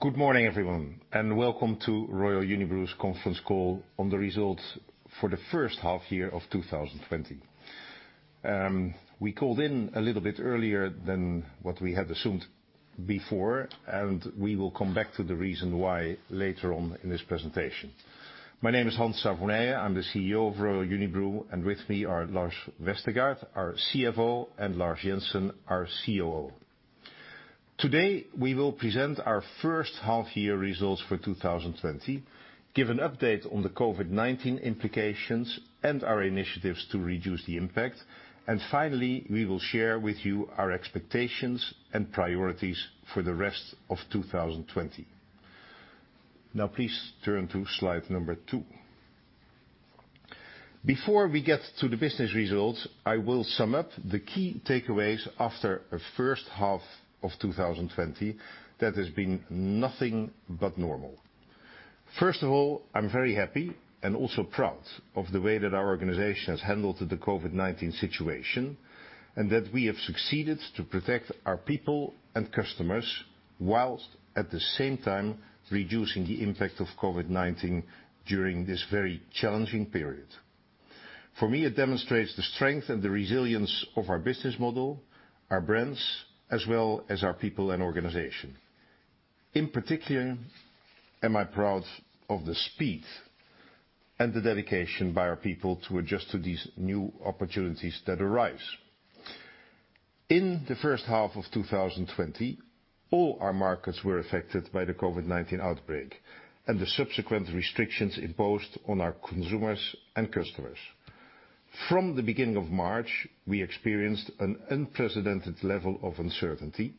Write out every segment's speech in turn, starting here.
Good morning, everyone, and welcome to Royal Unibrew's conference call on the results for the first half year of 2020. We called in a little bit earlier than what we had assumed before, and we will come back to the reason why later on in this presentation. My name is Hans Savonije. I'm the CEO of Royal Unibrew, and with me are Lars Vestergaard, our CFO, and Lars Jensen, our COO. Today, we will present our first half year results for 2020, give an update on the COVID-19 implications, and our initiatives to reduce the impact. Finally, we will share with you our expectations and priorities for the rest of 2020. Now, please turn to slide number two. Before we get to the business results, I will sum up the key takeaways after a first half of 2020 that has been nothing but normal. First of all, I'm very happy and also proud of the way that our organization has handled the COVID-19 situation and that we have succeeded to protect our people and customers whilst, at the same time, reducing the impact of COVID-19 during this very challenging period. For me, it demonstrates the strength and the resilience of our business model, our brands, as well as our people and organization. In particular, I am proud of the speed and the dedication by our people to adjust to these new opportunities that arise. In the first half of 2020, all our markets were affected by the COVID-19 outbreak and the subsequent restrictions imposed on our consumers and customers. From the beginning of March, we experienced an unprecedented level of uncertainty.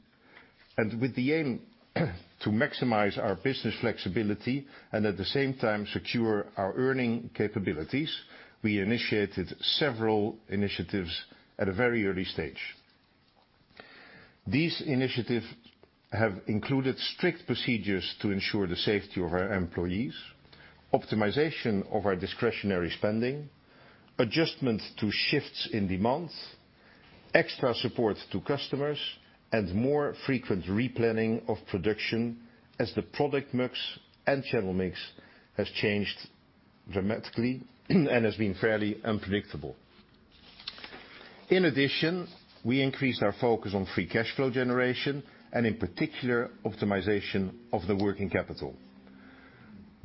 With the aim to maximize our business flexibility and, at the same time, secure our earning capabilities, we initiated several initiatives at a very early stage. These initiatives have included strict procedures to ensure the safety of our employees, optimization of our discretionary spending, adjustment to shifts in demand, extra support to customers, and more frequent replanning of production as the product mix and channel mix has changed dramatically and has been fairly unpredictable. In addition, we increased our focus on free cash flow generation and, in particular, optimization of the working capital.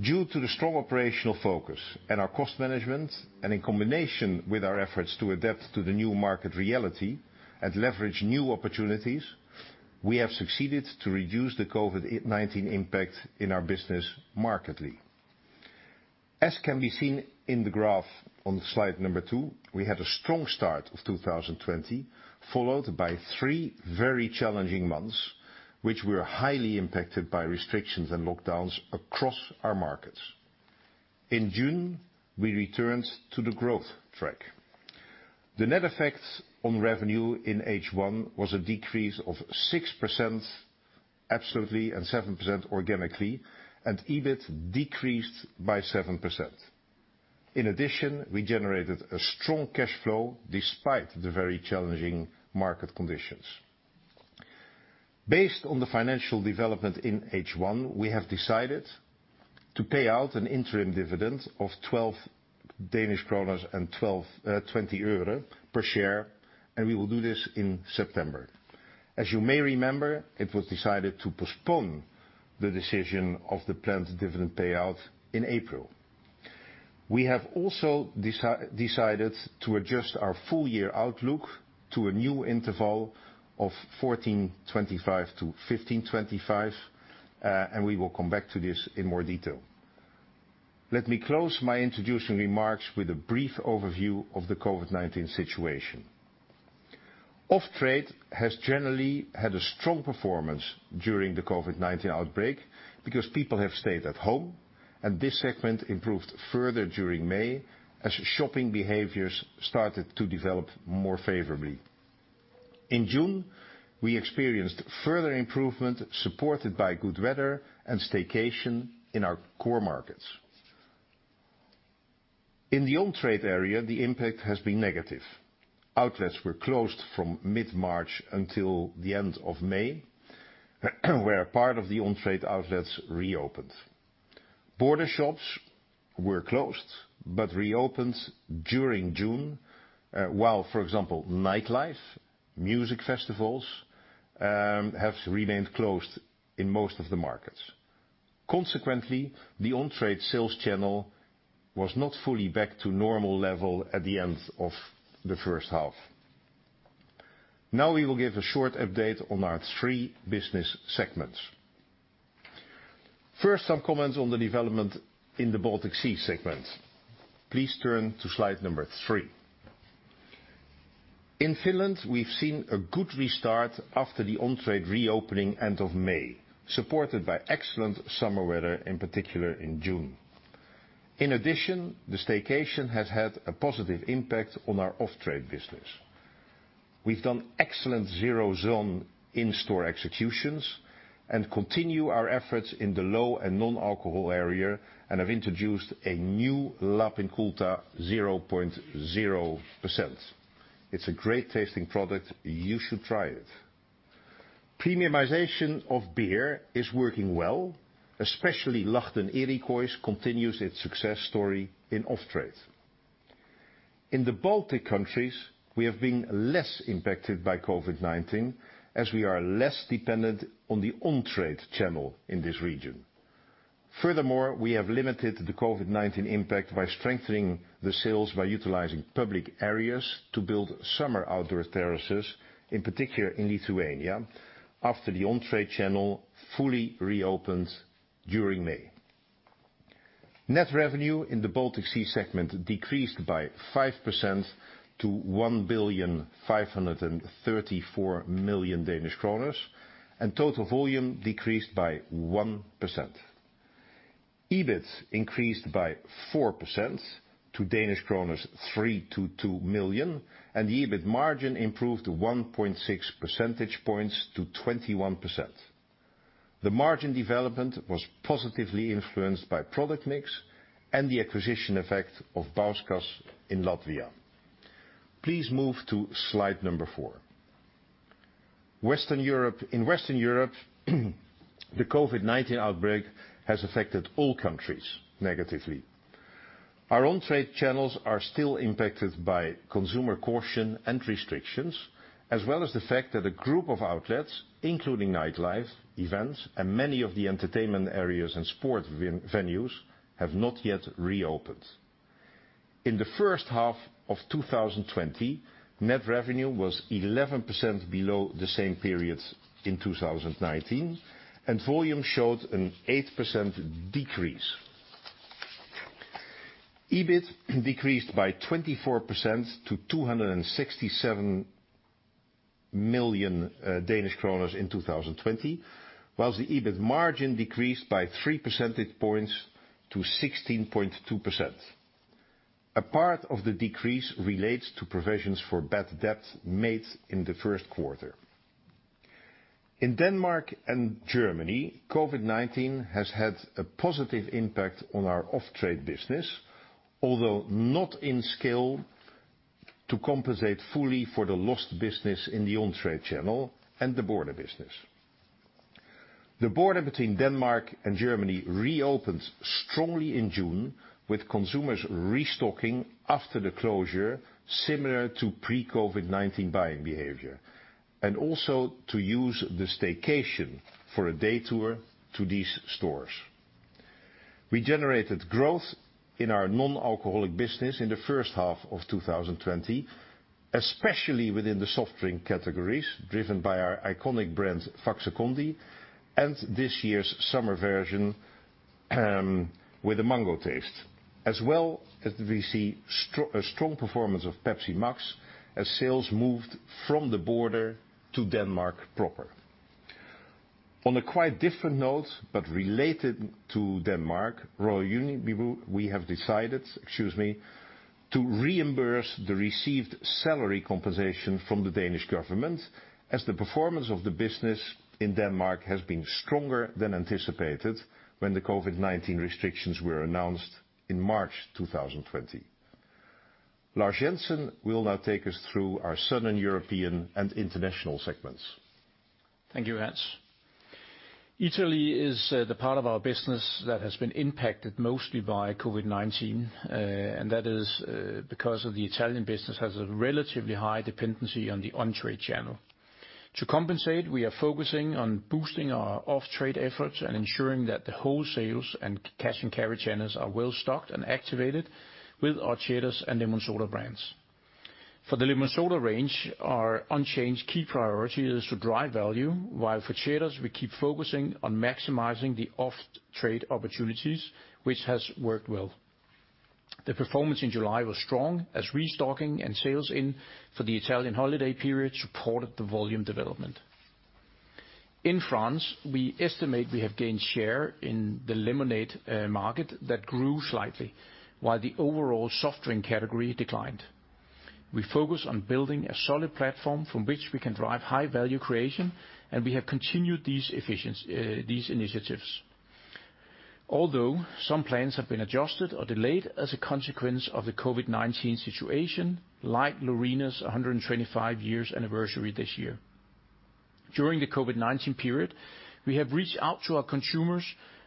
Due to the strong operational focus and our cost management, and in combination with our efforts to adapt to the new market reality and leverage new opportunities, we have succeeded to reduce the COVID-19 impact in our business markedly. As can be seen in the graph on slide number two, we had a strong start of 2020, followed by three very challenging months, which were highly impacted by restrictions and lockdowns across our markets. In June, we returned to the growth track. The net effect on revenue in H1 was a decrease of 6% absolutely and 7% organically, and EBIT decreased by 7%. In addition, we generated a strong cash flow despite the very challenging market conditions. Based on the financial development in H1, we have decided to pay out an interim dividend of 12 Danish kroner and 20 euro per share, and we will do this in September. As you may remember, it was decided to postpone the decision of the planned dividend payout in April. We have also decided to adjust our full year outlook to a new interval of 1,425 million-1,525 million, and we will come back to this in more detail. Let me close my introduction remarks with a brief overview of the COVID-19 situation. Off-Trade has generally had a strong performance during the COVID-19 outbreak because people have stayed at home, and this segment improved further during May as shopping behaviors started to develop more favorably. In June, we experienced further improvement supported by good weather and staycation in our core markets. In the On-Trade area, the impact has been negative. Outlets were closed from mid-March until the end of May, where part of the On-Trade outlets reopened. Border shops were closed but reopened during June, while, for example, nightlife and music festivals have remained closed in most of the markets. Consequently, the On-Trade sales channel was not fully back to normal level at the end of the first half. Now, we will give a short update on our three business segments. First, some comments on the development in the Baltic Sea segment. Please turn to slide number three. In Finland, we've seen a good restart after the On-Trade reopening end of May, supported by excellent summer weather, in particular in June. In addition, the staycation has had a positive impact on our Off-Trade business. We've done excellent Zero Zone in-store executions and continue our efforts in the low and non-alcohol area and have introduced a new Lapin Kulta 0.0%. It's a great tasting product. You should try it. Premiumization of beer is working well, especially Lahden Erikois continues its success story in Off-Trade. In the Baltic countries, we have been less impacted by COVID-19 as we are less dependent on the On-Trade channel in this region. Furthermore, we have limited the COVID-19 impact by strengthening the sales by utilizing public areas to build summer outdoor terraces, in particular in Lithuania, after the On-Trade channel fully reopened during May. Net revenue in the Baltic Sea segment decreased by 5% to 1,534,000,000 Danish kroner, and total volume decreased by 1%. EBIT increased by 4% to Danish kroner 322 million, and the EBIT margin improved 1.6 percentage points to 21%. The margin development was positively influenced by product mix and the acquisition effect of Bauskas in Latvia. Please move to slide number four. In Western Europe, the COVID-19 outbreak has affected all countries negatively. Our On-Trade channels are still impacted by consumer caution and restrictions, as well as the fact that a group of outlets, including nightlife, events, and many of the entertainment areas and sport venues, have not yet reopened. In the first half of 2020, net revenue was 11% below the same period in 2019, and volume showed an 8% decrease. EBIT decreased by 24% to 267 million Danish kroner in 2020, whilst the EBIT margin decreased by 3 percentage points to 16.2%. A part of the decrease relates to provisions for bad debt made in the first quarter. In Denmark and Germany, COVID-19 has had a positive impact on our Off-Trade business, although not in scale to compensate fully for the lost business in the On-Trade channel and the border business. The border between Denmark and Germany reopened strongly in June, with consumers restocking after the closure, similar to pre-COVID-19 buying behavior, and also to use the staycation for a day tour to these stores. We generated growth in our non-alcoholic business in the first half of 2020, especially within the soft drink categories driven by our iconic brand, Faxe Kondi, and this year's summer version with a mango taste, as well as we see a strong performance of Pepsi Max as sales moved from the border to Denmark proper. On a quite different note, but related to Denmark, Royal Unibrew, we have decided to reimburse the received salary compensation from the Danish government as the performance of the business in Denmark has been stronger than anticipated when the COVID-19 restrictions were announced in March 2020. Lars Jensen will now take us through our southern European and International segments. Thank you, Hans. Italy is the part of our business that has been impacted mostly by COVID-19, and that is because the Italian business has a relatively high dependency on the On-Trade channel. To compensate, we are focusing on boosting our Off-Trade efforts and ensuring that the whole sales and cash and carry channels are well stocked and activated with our Ceres and Lemonsoda brands. For the Lemonsoda range, our unchanged key priority is to drive value, while for Ceres, we keep focusing on maximizing the Off-Trade opportunities, which has worked well. The performance in July was strong as restocking and sales in for the Italian holiday period supported the volume development. In France, we estimate we have gained share in the lemonade market that grew slightly, while the overall soft drink category declined. We focus on building a solid platform from which we can drive high value creation, and we have continued these initiatives. Although some plans have been adjusted or delayed as a consequence of the COVID-19 situation, like Lorina's 125 years anniversary this year. During the COVID-19 period, we have reached out to our consumers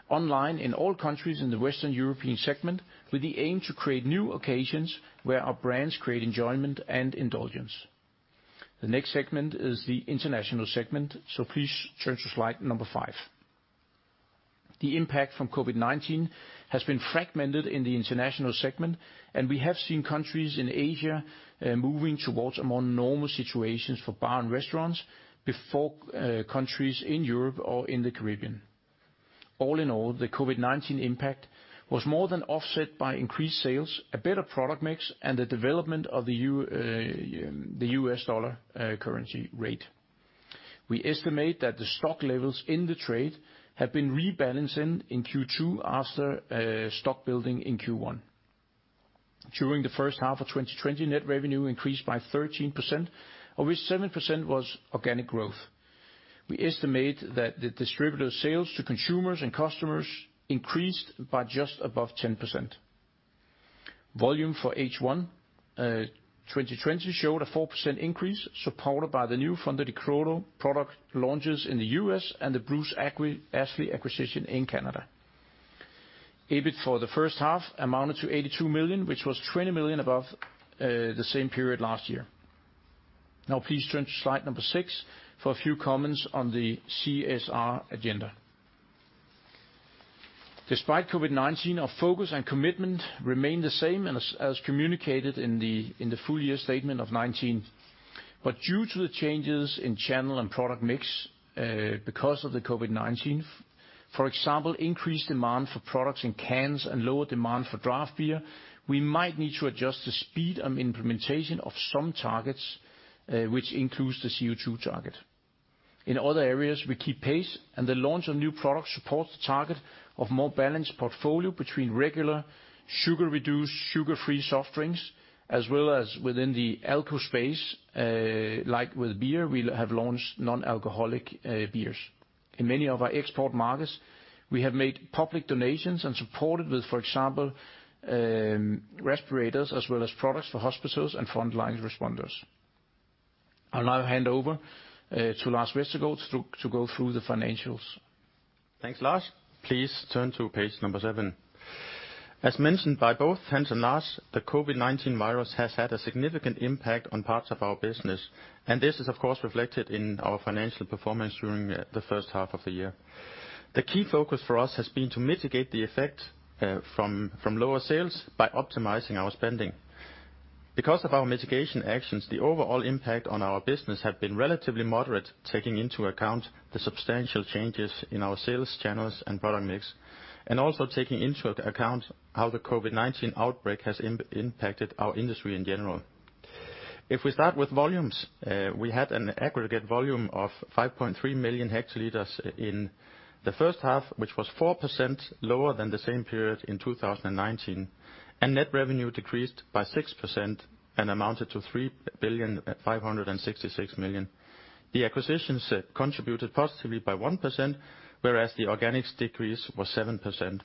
online in all countries in the Western European segment with the aim to create new occasions where our brands create enjoyment and indulgence. The next segment is the International segment, so please turn to slide number five. The impact from COVID-19 has been fragmented in the International segment, and we have seen countries in Asia moving towards more normal situations for bar and restaurants before countries in Europe or in the Caribbean. All in all, the COVID-19 impact was more than offset by increased sales, a better product mix, and the development of the U.S. dollar currency rate. We estimate that the stock levels in the trade have been rebalancing in Q2 after stock building in Q1. During the first half of 2020, net revenue increased by 13%, of which 7% was organic growth. We estimate that the distributor sales to consumers and customers increased by just above 10%. Volume for H1 2020 showed a 4% increase, supported by the new funded product launches in the U.S. and the Bruce Ashly acquisition in Canada. EBIT for the first half amounted to 82 million, which was 20 million above the same period last year. Now, please turn to slide number six for a few comments on the CSR agenda. Despite COVID-19, our focus and commitment remain the same as communicated in the full year statement of 2019. Due to the changes in channel and product mix because of the COVID-19, for example, increased demand for products in cans and lower demand for draft beer, we might need to adjust the speed of implementation of some targets, which includes the CO2 target. In other areas, we keep pace, and the launch of new products supports the target of a more balanced portfolio between regular, sugar-reduced, sugar-free soft drinks, as well as within the alcohol space, like with beer, we have launched non-alcoholic beers. In many of our export markets, we have made public donations and supported with, for example, respirators as well as products for hospitals and frontline responders. I'll now hand over to Lars Vestergaard to go through the financials. Thanks, Lars. Please turn to page number seven. As mentioned by both Hans and Lars, the COVID-19 virus has had a significant impact on parts of our business, and this is, of course, reflected in our financial performance during the first half of the year. The key focus for us has been to mitigate the effect from lower sales by optimizing our spending. Because of our mitigation actions, the overall impact on our business has been relatively moderate, taking into account the substantial changes in our sales channels and product mix, and also taking into account how the COVID-19 outbreak has impacted our industry in general. If we start with volumes, we had an aggregate volume of 5.3 million hL in the first half, which was 4% lower than the same period in 2019, and net revenue decreased by 6% and amounted to 3,566,000,000. The acquisitions contributed positively by 1%, whereas the organic decrease was 7%,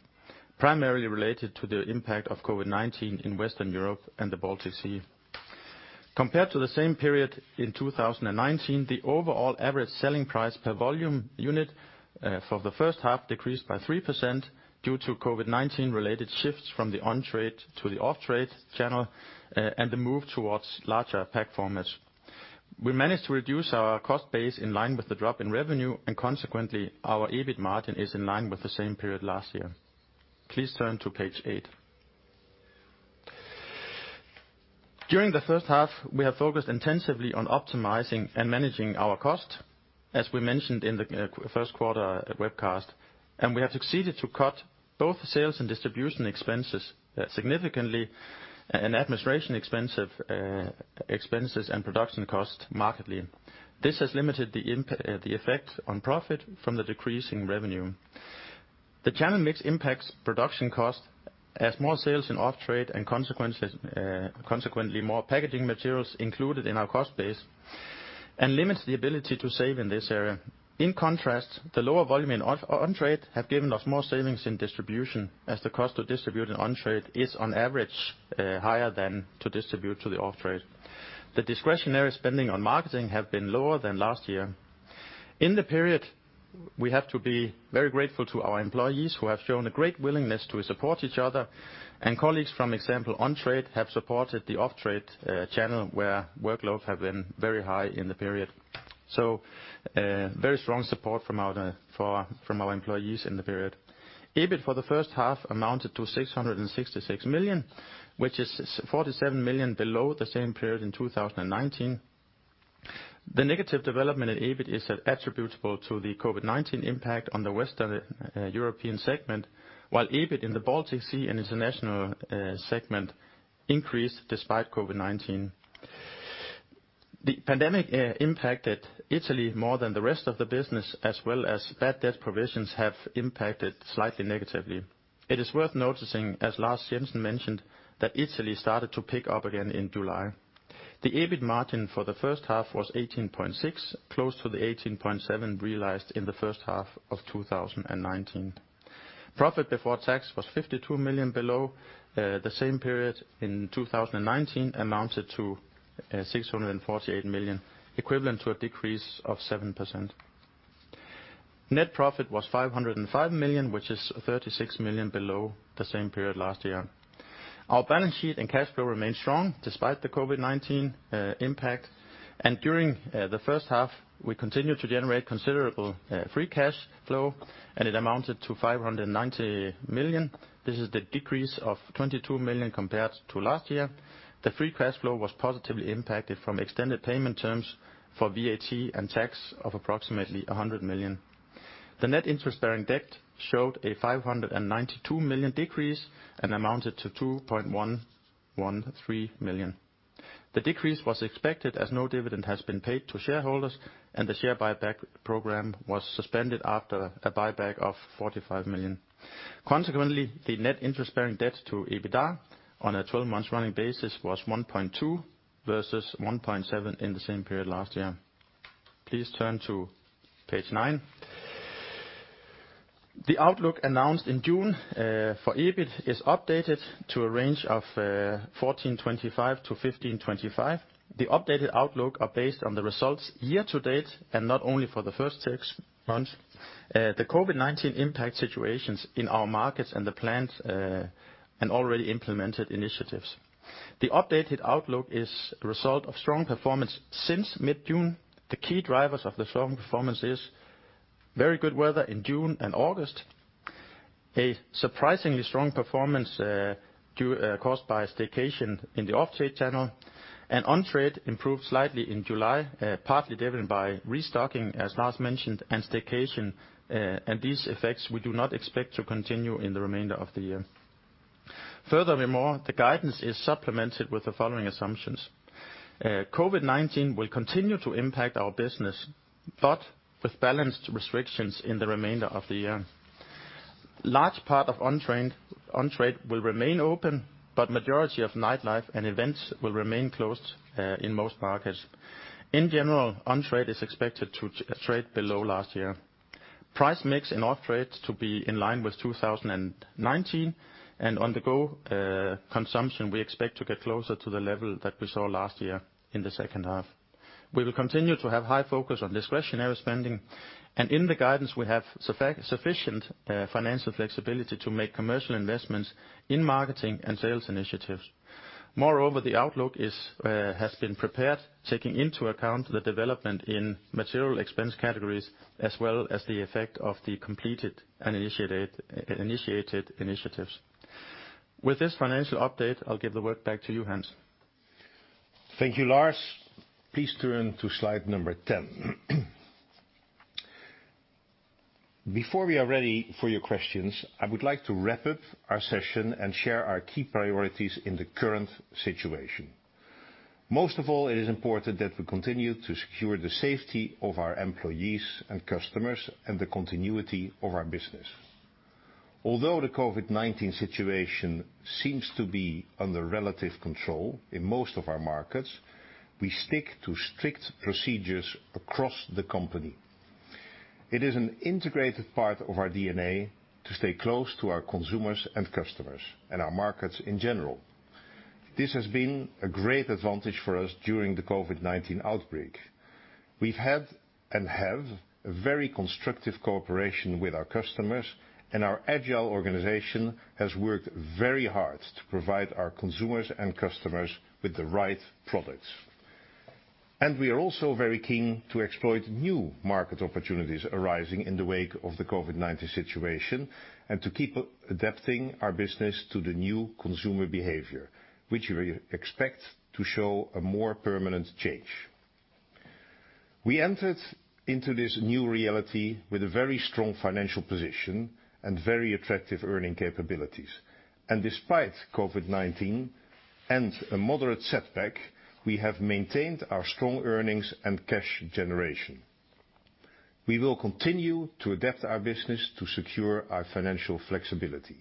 primarily related to the impact of COVID-19 in Western Europe and the Baltic Sea. Compared to the same period in 2019, the overall average selling price per volume unit for the first half decreased by 3% due to COVID-19-related shifts from the On-Trade to the Off-Trade channel and the move towards larger pack formats. We managed to reduce our cost base in line with the drop in revenue, and consequently, our EBIT margin is in line with the same period last year. Please turn to page eight. During the first half, we have focused intensively on optimizing and managing our costs, as we mentioned in the first quarter webcast, and we have succeeded to cut both sales and distribution expenses significantly and administration expenses and production costs markedly. This has limited the effect on profit from the decreasing revenue. The channel mix impacts production costs as more sales in Off-Trade and consequently more packaging materials included in our cost base and limits the ability to save in this area. In contrast, the lower volume in On-Trade has given us more savings in distribution as the cost to distribute in On-Trade is, on average, higher than to distribute to the Off-Trade. The discretionary spending on marketing has been lower than last year. In the period, we have to be very grateful to our employees who have shown a great willingness to support each other, and colleagues from, for example, On-Trade have supported the Off-Trade channel where workloads have been very high in the period. Very strong support from our employees in the period. EBIT for the first half amounted to 666 million, which is 47 million below the same period in 2019. The negative development in EBIT is attributable to the COVID-19 impact on the Western European segment, while EBIT in the Baltic Sea and International segment increased despite COVID-19. The pandemic impacted Italy more than the rest of the business, as well as bad debt provisions have impacted slightly negatively. It is worth noticing, as Lars Jensen mentioned, that Italy started to pick up again in July. The EBIT margin for the first half was 18.6%, close to the 18.7% realized in the first half of 2019. Profit before tax was 52 million below the same period in 2019, amounted to 648 million, equivalent to a decrease of 7%. Net profit was 505 million, which is 36 million below the same period last year. Our balance sheet and cash flow remained strong despite the COVID-19 impact, and during the first half, we continued to generate considerable free cash flow, and it amounted to 590 million. This is the decrease of 22 million compared to last year. The free cash flow was positively impacted from extended payment terms for VAT and tax of approximately 100 million. The net interest-bearing debt showed a 592 million decrease and amounted to 2,113 million. The decrease was expected as no dividend has been paid to shareholders, and the share buyback program was suspended after a buyback of 45 million. Consequently, the net interest-bearing debt to EBITDA on a 12-month running basis was 1.2 versus 1.7 in the same period last year. Please turn to page nine. The outlook announced in June for EBIT is updated to a range of 1,425 million-1,525 million. The updated outlook is based on the results year to date and not only for the first six months, the COVID-19 impact situations in our markets and the planned and already implemented initiatives. The updated outlook is the result of strong performance since mid-June. The key drivers of the strong performance are very good weather in June and August, a surprisingly strong performance caused by staycation in the Off-Trade channel, and On-Trade improved slightly in July, partly driven by restocking, as Lars mentioned, and staycation. These effects we do not expect to continue in the remainder of the year. Furthermore, the guidance is supplemented with the following assumptions. COVID-19 will continue to impact our business, but with balanced restrictions in the remainder of the year. Large part of On-Trade will remain open, but the majority of nightlife and events will remain closed in most markets. In general, On-Trade is expected to trade below last year. Price mix in Off-Trade is to be in line with 2019, and on-the-go consumption we expect to get closer to the level that we saw last year in the second half. We will continue to have high focus on discretionary spending, and in the guidance, we have sufficient financial flexibility to make commercial investments in marketing and sales initiatives. Moreover, the outlook has been prepared, taking into account the development in material expense categories as well as the effect of the completed and initiated initiatives. With this financial update, I'll give the word back to you, Hans. Thank you, Lars. Please turn to slide number ten. Before we are ready for your questions, I would like to wrap up our session and share our key priorities in the current situation. Most of all, it is important that we continue to secure the safety of our employees and customers and the continuity of our business. Although the COVID-19 situation seems to be under relative control in most of our markets, we stick to strict procedures across the company. It is an integrated part of our DNA to stay close to our consumers and customers and our markets in general. This has been a great advantage for us during the COVID-19 outbreak. We've had and have a very constructive cooperation with our customers, and our agile organization has worked very hard to provide our consumers and customers with the right products. We are also very keen to exploit new market opportunities arising in the wake of the COVID-19 situation and to keep adapting our business to the new consumer behavior, which we expect to show a more permanent change. We entered into this new reality with a very strong financial position and very attractive earning capabilities. Despite COVID-19 and a moderate setback, we have maintained our strong earnings and cash generation. We will continue to adapt our business to secure our financial flexibility.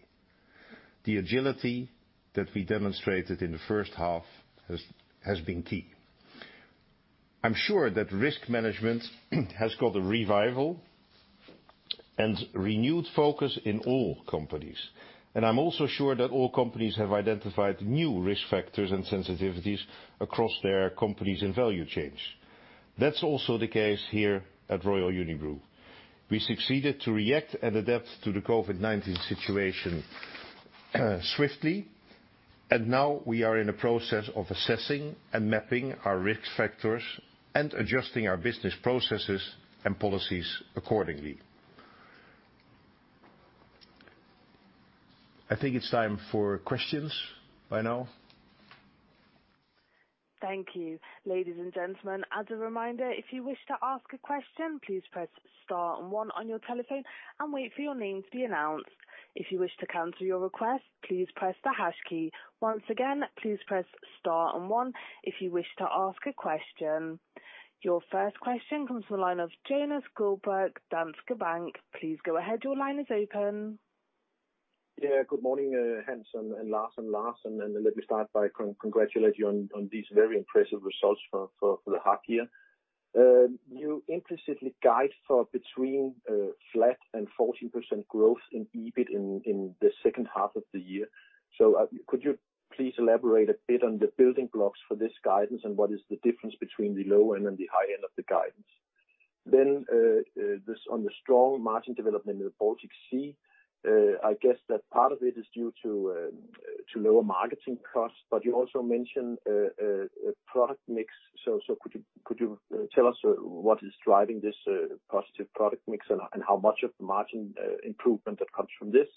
The agility that we demonstrated in the first half has been key. I am sure that risk management has got a revival and renewed focus in all companies, and I am also sure that all companies have identified new risk factors and sensitivities across their companies and value chains. That is also the case here at Royal Unibrew. We succeeded to react and adapt to the COVID-19 situation swiftly, and now we are in the process of assessing and mapping our risk factors and adjusting our business processes and policies accordingly. I think it's time for questions by now. Thank you, ladies and gentlemen. As a reminder, if you wish to ask a question, please press star and one on your telephone and wait for your name to be announced. If you wish to cancel your request, please press the hash key. Once again, please press star and one if you wish to ask a question. Your first question comes from the line of Jonas Guldborg, Danske Bank. Please go ahead. Your line is open. Yeah, good morning, Hans and Lars and Lars. Let me start by congratulating you on these very impressive results for the half year. You implicitly guide for between flat and 14% growth in EBIT in the second half of the year. Could you please elaborate a bit on the building blocks for this guidance and what is the difference between the low end and the high end of the guidance? On the strong margin development in the Baltic Sea, I guess that part of it is due to lower marketing costs, but you also mentioned product mix. Could you tell us what is driving this positive product mix and how much of the margin improvement comes from this?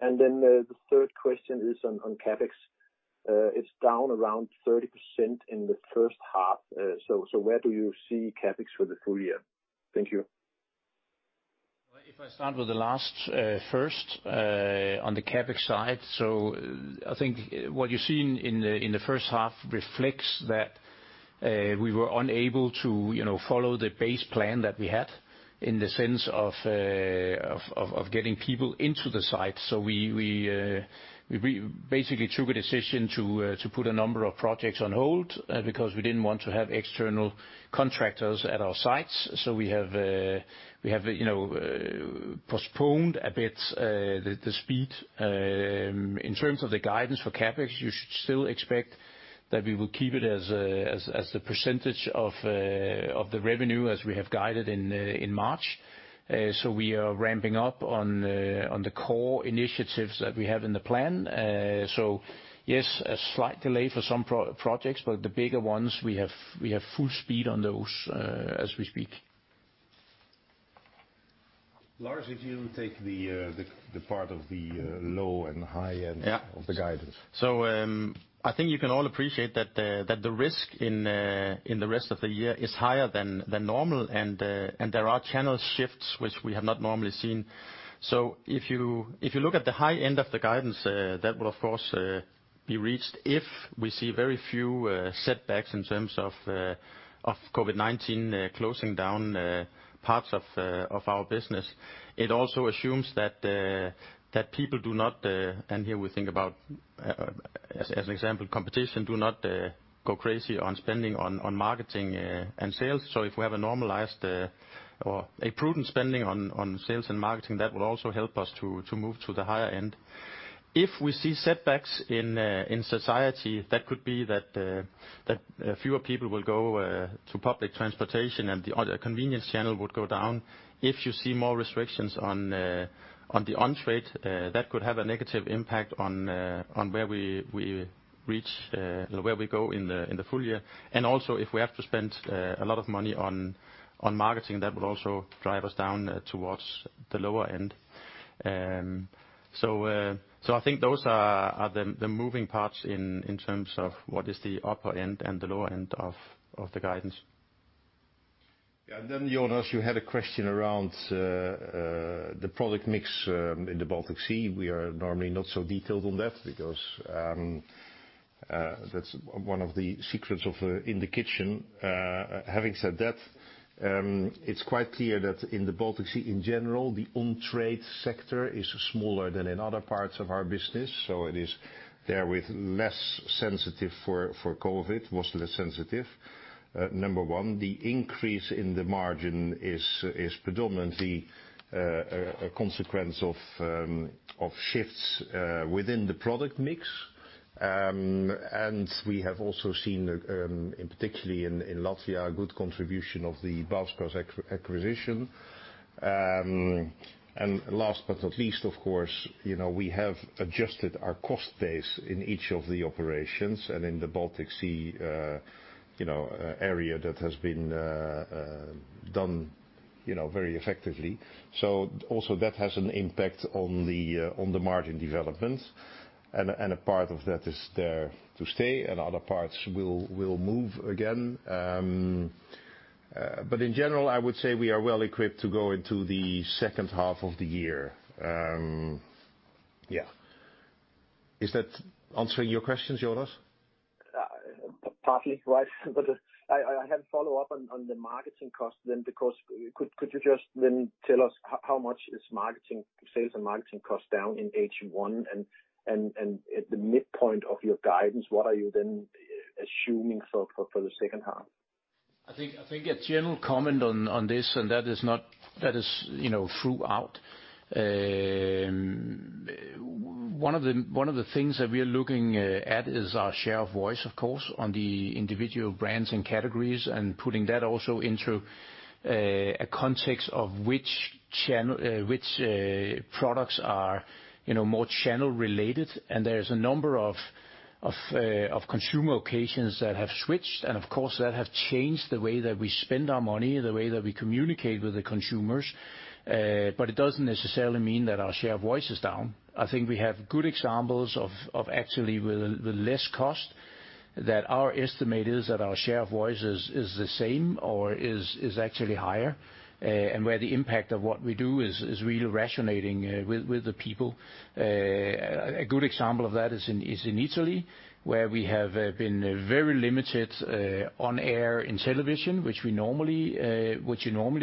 The third question is on CapEx. It's down around 30% in the first half. Where do you see CapEx for the full year? Thank you. If I start with the last first on the CapEx side, I think what you see in the first half reflects that we were unable to follow the base plan that we had in the sense of getting people into the site. We basically took a decision to put a number of projects on hold because we did not want to have external contractors at our sites. We have postponed a bit the speed. In terms of the guidance for CapEx, you should still expect that we will keep it as the percentage of the revenue as we have guided in March. We are ramping up on the core initiatives that we have in the plan. Yes, a slight delay for some projects, but the bigger ones, we have full speed on those as we speak. Lars, if you take the part of the low and high end of the guidance. Yeah. I think you can all appreciate that the risk in the rest of the year is higher than normal, and there are channel shifts which we have not normally seen. If you look at the high end of the guidance, that will, of course, be reached if we see very few setbacks in terms of COVID-19 closing down parts of our business. It also assumes that people do not—and here we think about, as an example, competition—do not go crazy on spending on marketing and sales. If we have a normalized or a prudent spending on sales and marketing, that will also help us to move to the higher end. If we see setbacks in society, that could be that fewer people will go to public transportation and the convenience channel would go down. If you see more restrictions on the On-Trade, that could have a negative impact on where we reach or where we go in the full year. Also, if we have to spend a lot of money on marketing, that would also drive us down towards the lower end. I think those are the moving parts in terms of what is the upper end and the lower end of the guidance. Yeah. Jonas, you had a question around the product mix in the Baltic Sea. We are normally not so detailed on that because that's one of the secrets of In The Kitchen. Having said that, it is quite clear that in the Baltic Sea in general, the On-Trade sector is smaller than in other parts of our business. It is therewith less sensitive for COVID, was less sensitive. Number one, the increase in the margin is predominantly a consequence of shifts within the product mix. We have also seen, particularly in Latvia, a good contribution of the Bauskas acquisition. Last but not least, of course, we have adjusted our cost base in each of the operations and in the Baltic Sea area that has been done very effectively. That has an impact on the margin development, and a part of that is there to stay, and other parts will move again. In general, I would say we are well equipped to go into the second half of the year. Yeah. Is that answering your questions, Jonas? Partly, right? I have a follow-up on the marketing cost then, because could you just then tell us how much is sales and marketing cost down in H1 and at the midpoint of your guidance? What are you then assuming for the second half? I think a general comment on this, and that is throughout. One of the things that we are looking at is our share of voice, of course, on the individual brands and categories and putting that also into a context of which products are more channel related. There is a number of consumer occasions that have switched, and of course, that have changed the way that we spend our money, the way that we communicate with the consumers. It does not necessarily mean that our share of voice is down. I think we have good examples of actually with less cost that our estimate is that our share of voice is the same or is actually higher, and where the impact of what we do is really rationating with the people. A good example of that is in Italy, where we have been very limited on air in television, which you normally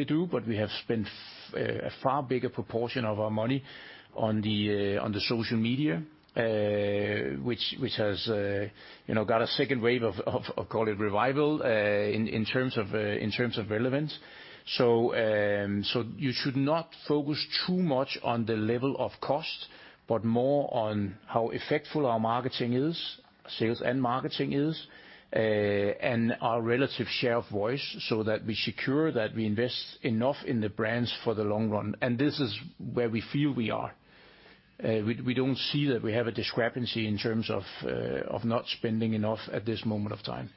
do, but we have spent a far bigger proportion of our money on the social media, which has got a second wave of, call it, revival in terms of relevance. You should not focus too much on the level of cost, but more on how effectful our marketing is, sales and marketing is, and our relative share of voice so that we secure that we invest enough in the brands for the long run. This is where we feel we are. We do not see that we have a discrepancy in terms of not spending enough at this moment of time.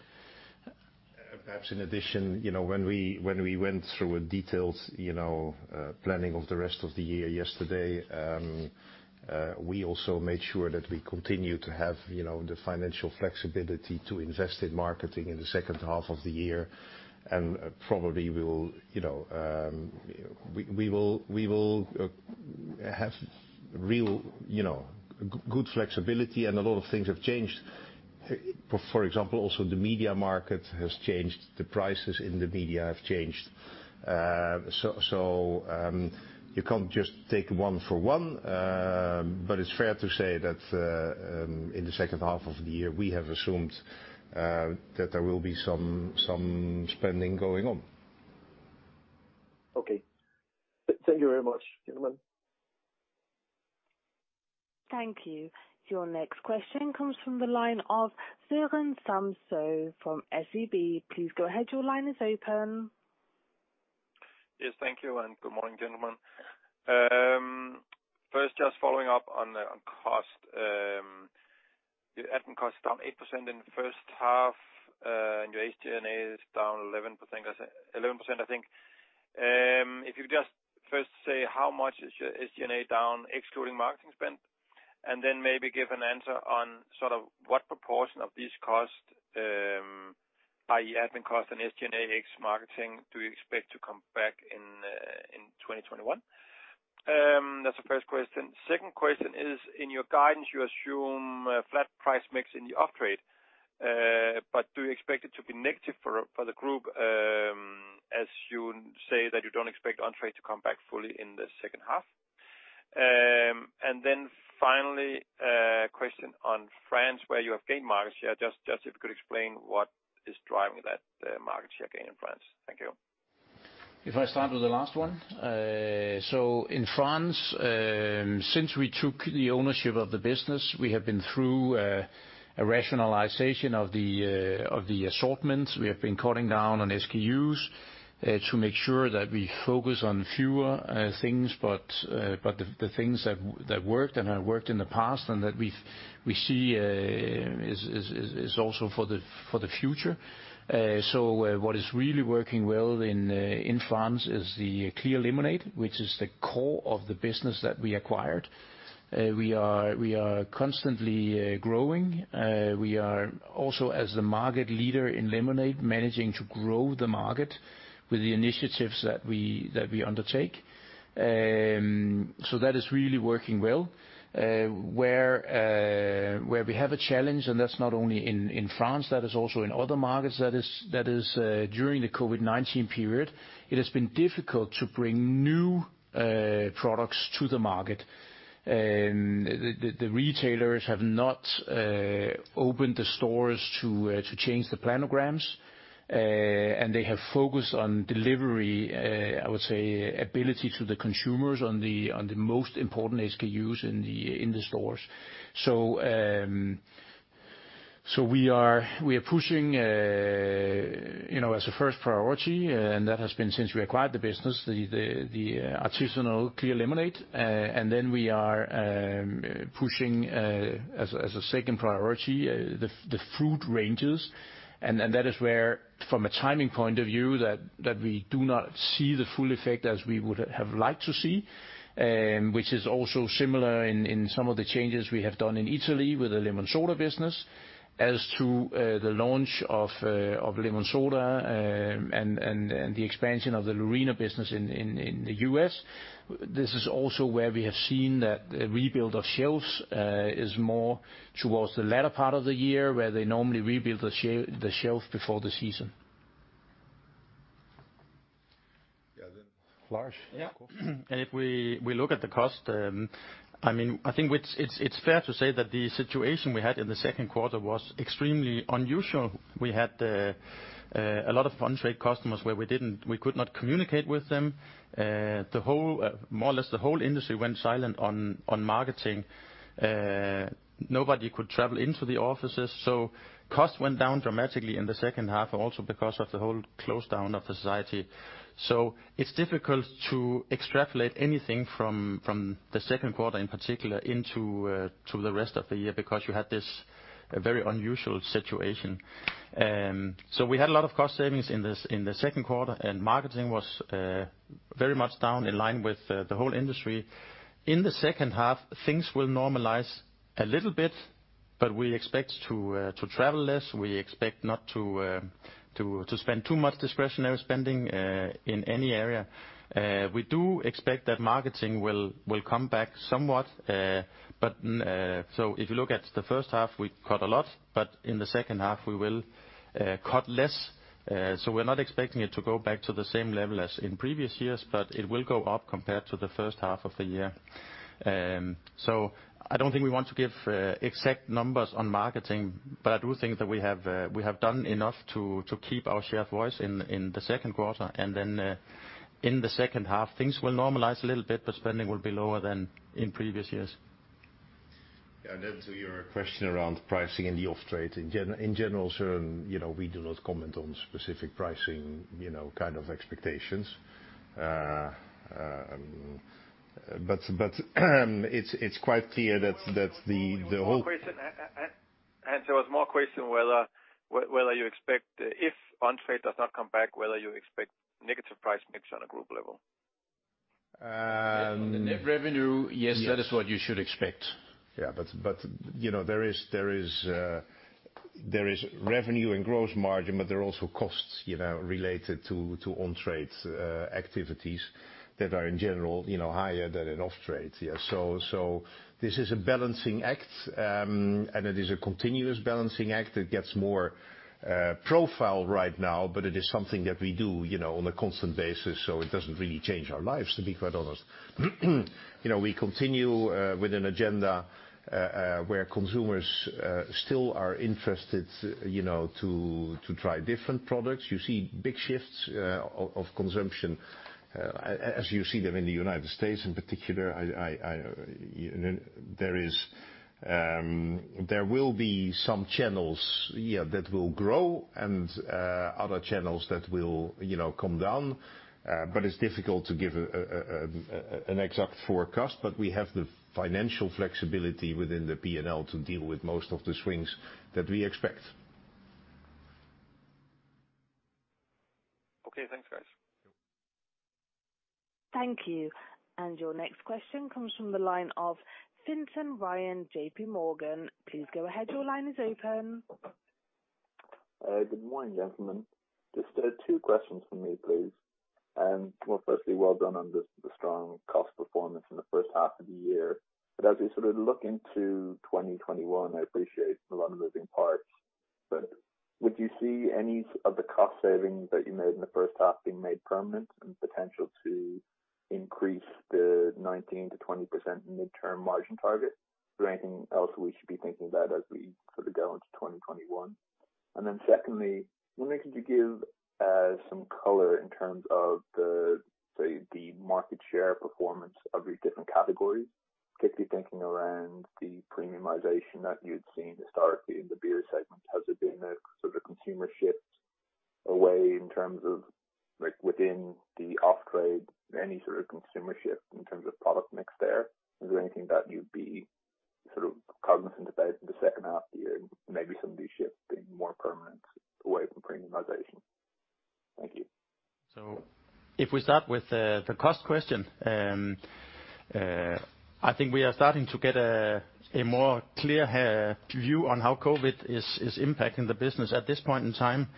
Perhaps in addition, when we went through a detailed planning of the rest of the year yesterday, we also made sure that we continue to have the financial flexibility to invest in marketing in the second half of the year. Probably we will have real good flexibility, and a lot of things have changed. For example, also the media market has changed. The prices in the media have changed. You cannot just take one for one, but it is fair to say that in the second half of the year, we have assumed that there will be some spending going on. Okay. Thank you very much, gentlemen. Thank you. Your next question comes from the line of Søren Samsøe from SEB. Please go ahead. Your line is open. Yes, thank you, and good morning, gentlemen. First, just following up on cost. Your admin cost is down 8% in the first half, and your HG&A is down 11%, I think. If you just first say how much is your HG&A down, excluding marketing spend, and then maybe give an answer on sort of what proportion of these costs, i.e., admin cost and HG&A ex marketing, do you expect to come back in 2021? That's the first question. Second question is, in your guidance, you assume flat price mix in the Off-Trade, but do you expect it to be negative for the group as you say that you don't expect On-Trade to come back fully in the second half? Finally, question on France, where you have gained market share. Just if you could explain what is driving that market share gain in France. Thank you. If I start with the last one. In France, since we took the ownership of the business, we have been through a rationalization of the assortments. We have been cutting down on SKUs to make sure that we focus on fewer things, but the things that worked and have worked in the past and that we see is also for the future. What is really working well in France is the clear lemonade, which is the core of the business that we acquired. We are constantly growing. We are also, as the market leader in lemonade, managing to grow the market with the initiatives that we undertake. That is really working well. Where we have a challenge, and that is not only in France, that is also in other markets, that is during the COVID-19 period, it has been difficult to bring new products to the market. The retailers have not opened the stores to change the planograms, and they have focused on delivery, I would say, ability to the consumers on the most important SKUs in the stores. We are pushing as a first priority, and that has been since we acquired the business, the artisanal clear lemonade. We are pushing as a second priority the fruit ranges. That is where, from a timing point of view, we do not see the full effect as we would have liked to see, which is also similar in some of the changes we have done in Italy with the Lemonsoda business as to the launch of Lemonsoda and the expansion of the Lorina business in the U.S. This is also where we have seen that the rebuild of shelves is more towards the latter part of the year, where they normally rebuild the shelf before the season. Yeah. Lars? Yeah. If we look at the cost, I mean, I think it's fair to say that the situation we had in the second quarter was extremely unusual. We had a lot of On-Trade customers where we could not communicate with them. More or less, the whole industry went silent on marketing. Nobody could travel into the offices. Cost went down dramatically in the second half also because of the whole close down of the society. It's difficult to extrapolate anything from the second quarter in particular into the rest of the year because you had this very unusual situation. We had a lot of cost savings in the second quarter, and marketing was very much down in line with the whole industry. In the second half, things will normalize a little bit, but we expect to travel less. We expect not to spend too much discretionary spending in any area. We do expect that marketing will come back somewhat. If you look at the first half, we cut a lot, but in the second half, we will cut less. We are not expecting it to go back to the same level as in previous years, but it will go up compared to the first half of the year. I do not think we want to give exact numbers on marketing, but I do think that we have done enough to keep our share of voice in the second quarter. In the second half, things will normalize a little bit, but spending will be lower than in previous years. Yeah. To your question around pricing and the Off-Trade, in general, Søren, we do not comment on specific pricing kind of expectations. It is quite clear that the whole. So, what's my question? Whether you expect if On-Trade does not come back, whether you expect negative price mix on a group level? Net revenue, yes, that is what you should expect. Yeah. There is revenue and gross margin, but there are also costs related to On-Trade activities that are in general higher than in Off-Trade. This is a balancing act, and it is a continuous balancing act. It gets more profile right now, but it is something that we do on a constant basis, so it does not really change our lives, to be quite honest. We continue with an agenda where consumers still are interested to try different products. You see big shifts of consumption, as you see them in the United States in particular. There will be some channels that will grow and other channels that will come down. It is difficult to give an exact forecast, but we have the financial flexibility within the P&L to deal with most of the swings that we expect. Okay. Thanks, guys. Thank you. Your next question comes from the line of Fintan Ryan, JPMorgan. Please go ahead. Your line is open. Good morning, gentlemen. Just two questions for me, please. Firstly, well done on the strong cost performance in the first half of the year. As we sort of look into 2021, I appreciate a lot of moving parts. Would you see any of the cost savings that you made in the first half being made permanent and potential to increase the 19%-20% midterm margin target? Is there anything else we should be thinking about as we sort of go into 2021? Secondly, could you give some color in terms of the, say, the market share performance of your different categories? Particularly thinking around the premiumization that you had seen historically in the beer segment. Has there been a sort of consumer shift away in terms of within the Off-Trade, any sort of consumer shift in terms of product mix there? Is there anything that you'd be sort of cognizant about in the second half of the year, maybe some of these shifts being more permanent away from premiumization? Thank you. If we start with the cost question, I think we are starting to get a more clear view on how COVID is impacting the business at this point in time.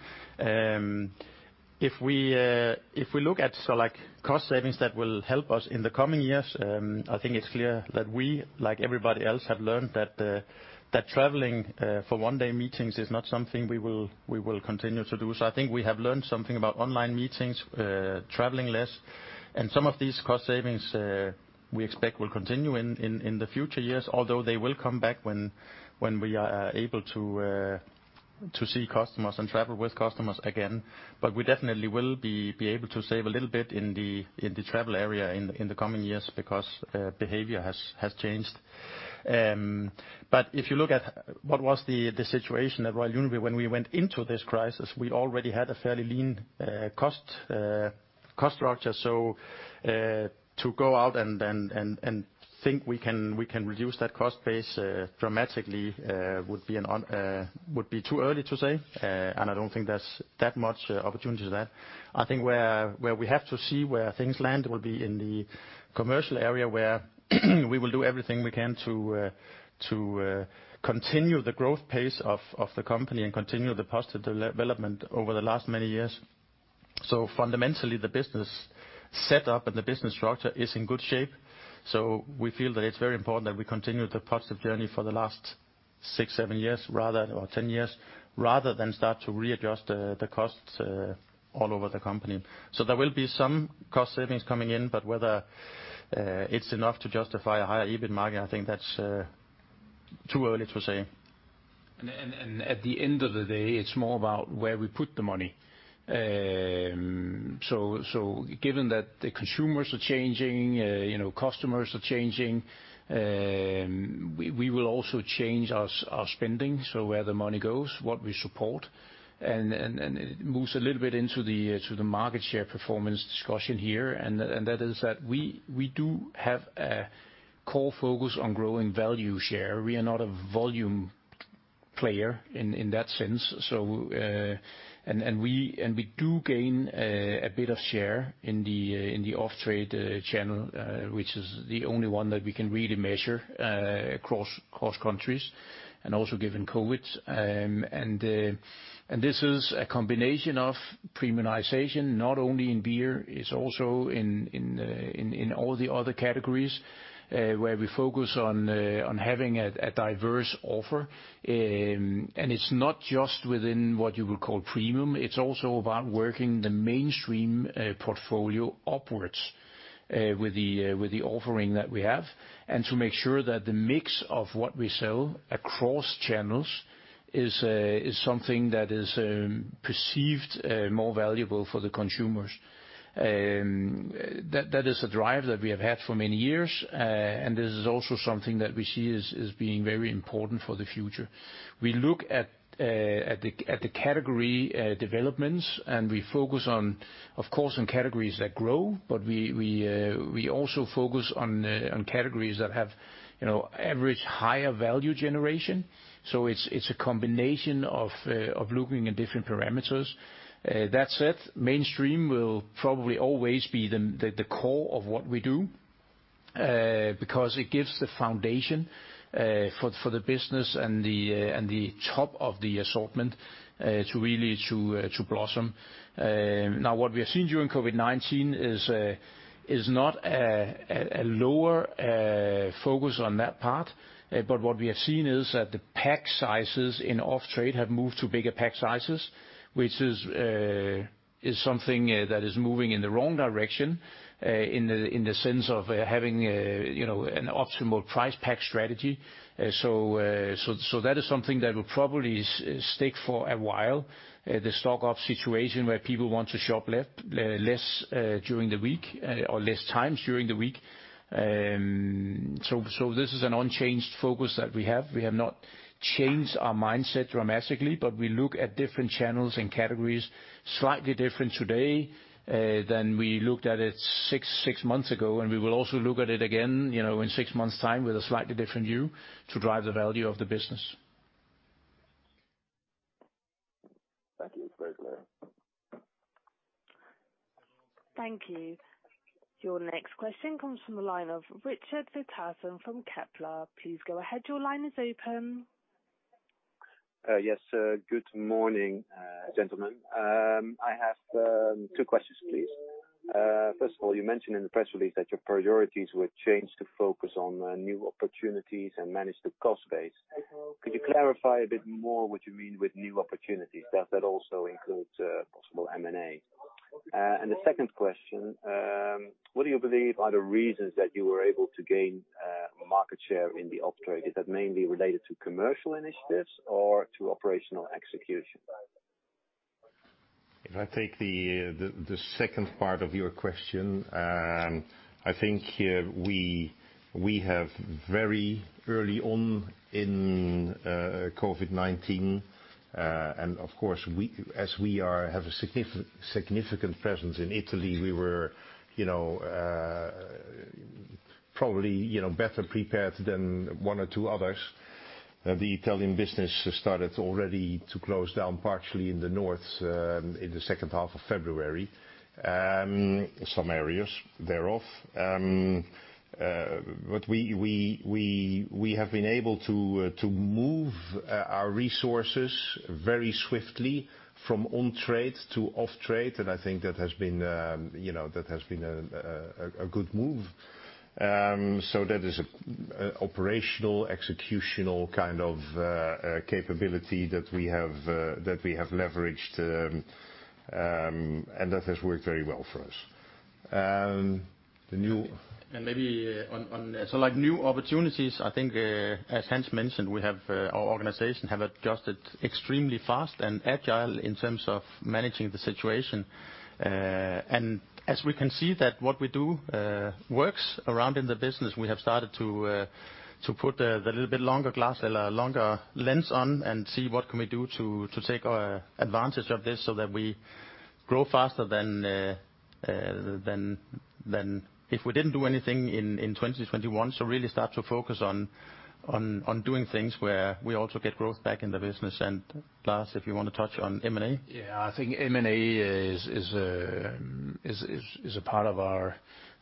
If we look at cost savings that will help us in the coming years, I think it's clear that we, like everybody else, have learned that traveling for one-day meetings is not something we will continue to do. I think we have learned something about online meetings, traveling less. Some of these cost savings we expect will continue in the future years, although they will come back when we are able to see customers and travel with customers again. We definitely will be able to save a little bit in the travel area in the coming years because behavior has changed. If you look at what was the situation at Royal Unibrew when we went into this crisis, we already had a fairly lean cost structure. To go out and think we can reduce that cost base dramatically would be too early to say, and I do not think there is that much opportunity to that. I think where we have to see where things land will be in the commercial area where we will do everything we can to continue the growth pace of the company and continue the positive development over the last many years. Fundamentally, the business setup and the business structure is in good shape. We feel that it is very important that we continue the positive journey for the last six, seven years or ten years rather than start to readjust the costs all over the company. There will be some cost savings coming in, but whether it's enough to justify a higher EBIT margin, I think that's too early to say. At the end of the day, it's more about where we put the money. Given that the consumers are changing, customers are changing, we will also change our spending, so where the money goes, what we support. It moves a little bit into the market share performance discussion here, and that is that we do have a core focus on growing value share. We are not a volume player in that sense. We do gain a bit of share in the Off-Trade channel, which is the only one that we can really measure across countries and also given COVID. This is a combination of premiumization, not only in beer, it's also in all the other categories where we focus on having a diverse offer. It's not just within what you would call premium. It's also about working the mainstream portfolio upwards with the offering that we have and to make sure that the mix of what we sell across channels is something that is perceived more valuable for the consumers. That is a drive that we have had for many years, and this is also something that we see is being very important for the future. We look at the category developments, and we focus on, of course, on categories that grow, but we also focus on categories that have average higher value generation. It's a combination of looking at different parameters. That said, mainstream will probably always be the core of what we do because it gives the foundation for the business and the top of the assortment to really blossom. Now, what we have seen during COVID-19 is not a lower focus on that part, but what we have seen is that the pack sizes in Off-Trade have moved to bigger pack sizes, which is something that is moving in the wrong direction in the sense of having an optimal price pack strategy. That is something that will probably stick for a while, the stock-up situation where people want to shop less during the week or less times during the week. This is an unchanged focus that we have. We have not changed our mindset dramatically, but we look at different channels and categories slightly different today than we looked at it six months ago. We will also look at it again in six months' time with a slightly different view to drive the value of the business. Thank you. It's very clear. Thank you. Your next question comes from the line of Richard Withagen from Kepler. Please go ahead. Your line is open. Yes. Good morning, gentlemen. I have two questions, please. First of all, you mentioned in the press release that your priorities were changed to focus on new opportunities and manage the cost base. Could you clarify a bit more what you mean with new opportunities? Does that also include possible M&A? The second question, what do you believe are the reasons that you were able to gain market share in the Off-Trade? Is that mainly related to commercial initiatives or to operational execution? If I take the second part of your question, I think we have very early on in COVID-19, and of course, as we have a significant presence in Italy, we were probably better prepared than one or two others. The Italian business started already to close down partially in the north in the second half of February, some areas thereof. We have been able to move our resources very swiftly from On-Trade to Off-Trade, and I think that has been a good move. That is an operational executional kind of capability that we have leveraged, and that has worked very well for us. Maybe on new opportunities, I think, as Hans mentioned, our organization has adjusted extremely fast and agile in terms of managing the situation. As we can see that what we do works around in the business, we have started to put the little bit longer glass or longer lens on and see what can we do to take advantage of this so that we grow faster than if we did not do anything in 2021. We really start to focus on doing things where we also get growth back in the business. Last, if you want to touch on M&A. Yeah. I think M&A is a part of our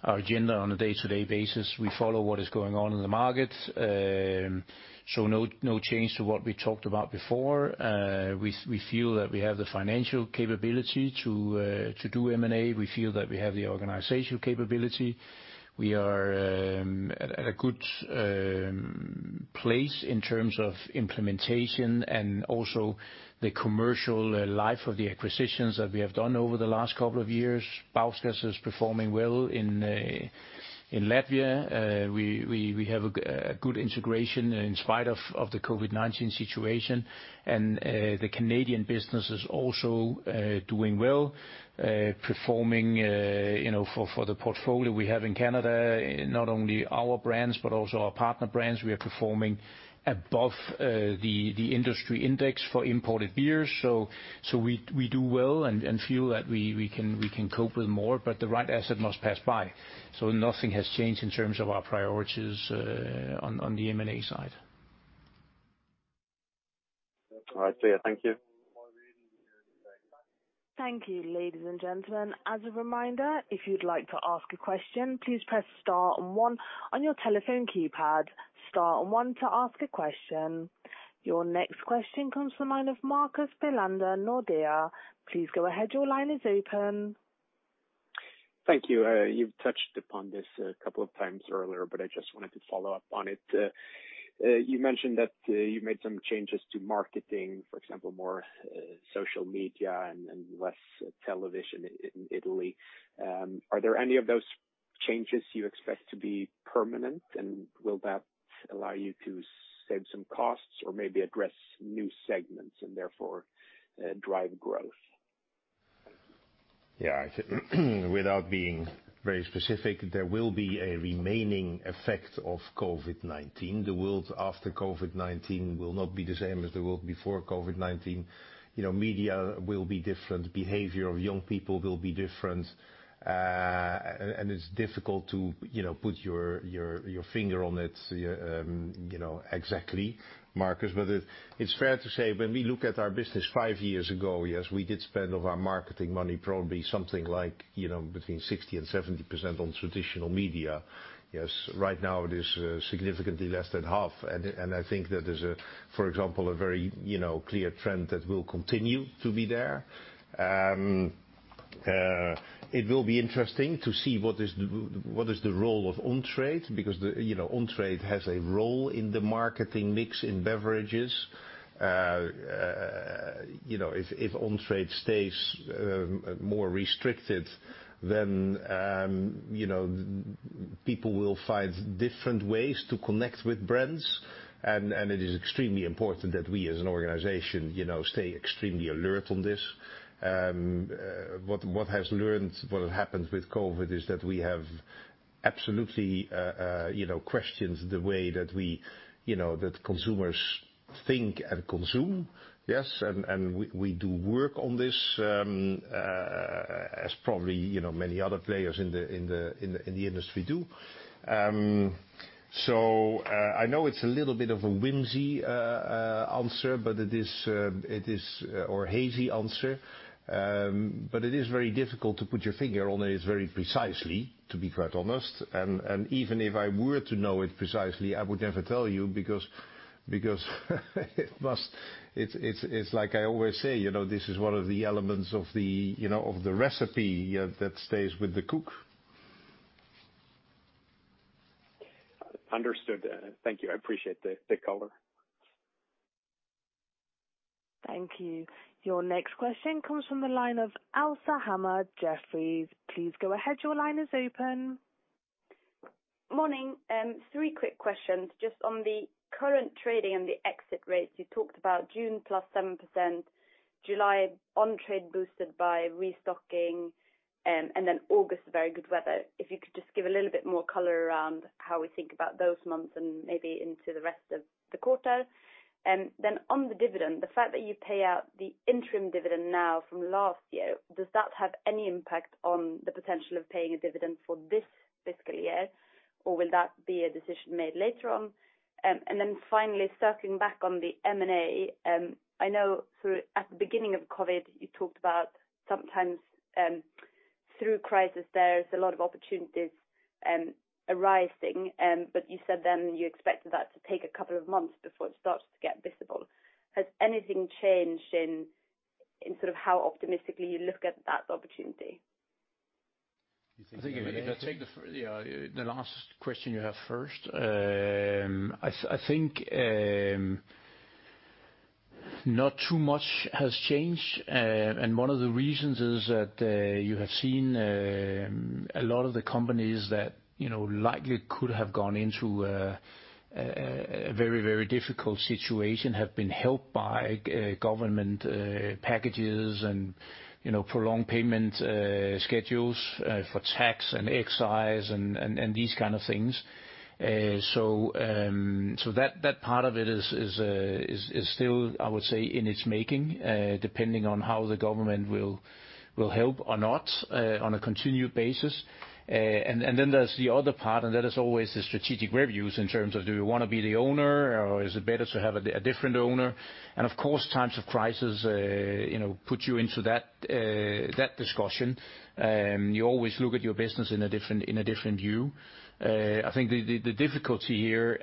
agenda on a day-to-day basis. We follow what is going on in the market. No change to what we talked about before. We feel that we have the financial capability to do M&A. We feel that we have the organizational capability. We are at a good place in terms of implementation and also the commercial life of the acquisitions that we have done over the last couple of years. Bauskas is performing well in Latvia. We have a good integration in spite of the COVID-19 situation. The Canadian business is also doing well, performing for the portfolio we have in Canada, not only our brands, but also our partner brands. We are performing above the industry index for imported beers. We do well and feel that we can cope with more, but the right asset must pass by. Nothing has changed in terms of our priorities on the M&A side. All right. Thank you. Thank you, ladies and gentlemen. As a reminder, if you'd like to ask a question, please press star one on your telephone keypad. Star one to ask a question. Your next question comes from the line of Marcus Bellander, Nordea. Please go ahead. Your line is open. Thank you. You've touched upon this a couple of times earlier, but I just wanted to follow up on it. You mentioned that you made some changes to marketing, for example, more social media and less television in Italy. Are any of those changes you expect to be permanent, and will that allow you to save some costs or maybe address new segments and therefore drive growth? Yeah. Without being very specific, there will be a remaining effect of COVID-19. The world after COVID-19 will not be the same as the world before COVID-19. Media will be different. Behavior of young people will be different. It's difficult to put your finger on it exactly, Marcus, but it's fair to say when we look at our business five years ago, yes, we did spend of our marketing money probably something like between 60% and 70% on traditional media. Yes. Right now, it is significantly less than half. I think that there's, for example, a very clear trend that will continue to be there. It will be interesting to see what is the role of On-Trade because On-Trade has a role in the marketing mix in beverages. If On-Trade stays more restricted, people will find different ways to connect with brands. It is extremely important that we as an organization stay extremely alert on this. What has learned, what has happened with COVID, is that we have absolutely questioned the way that consumers think and consume. Yes. We do work on this as probably many other players in the industry do. I know it's a little bit of a whimsy answer, but it is or hazy answer, but it is very difficult to put your finger on it very precisely, to be quite honest. Even if I were to know it precisely, I would never tell you because it's like I always say, this is one of the elements of the recipe that stays with the cook. Understood. Thank you. I appreciate the color. Thank you. Your next question comes from the line of Elsa Hannar at Jeffries. Please go ahead. Your line is open. Morning. Three quick questions just on the current trading and the exit rates. You talked about June +7%, July On-Trade boosted by restocking, and then August very good weather. If you could just give a little bit more color around how we think about those months and maybe into the rest of the quarter. On the dividend, the fact that you pay out the interim dividend now from last year, does that have any impact on the potential of paying a dividend for this fiscal year, or will that be a decision made later on? Finally, circling back on the M&A, I know at the beginning of COVID, you talked about sometimes through crisis, there's a lot of opportunities arising, but you said then you expected that to take a couple of months before it starts to get visible. Has anything changed in sort of how optimistically you look at that opportunity? I think if I take the last question you have first, I think not too much has changed. One of the reasons is that you have seen a lot of the companies that likely could have gone into a very, very difficult situation have been helped by government packages and prolonged payment schedules for tax and excise and these kind of things. That part of it is still, I would say, in its making, depending on how the government will help or not on a continued basis. There is the other part, and that is always the strategic reviews in terms of do you want to be the owner, or is it better to have a different owner? Of course, times of crisis put you into that discussion. You always look at your business in a different view. I think the difficulty here